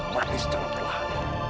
mati secara perlahan